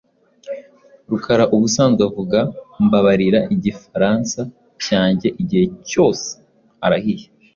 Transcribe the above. Rukara ubusanzwe avuga "Mbabarira Igifaransa cyanjye" igihe cyose arahiye.